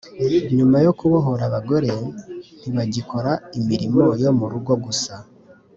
Nyuma yo kwibohora abagore ntibagikora imirimo yo mu rugo gusa